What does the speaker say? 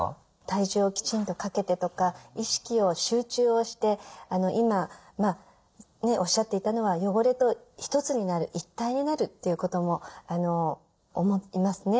体重をきちんとかけてとか意識を集中をして今おっしゃっていたのは汚れと一つになる一体になるっていうことも思いますね。